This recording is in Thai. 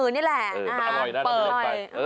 อร่อยแล้วอร่อย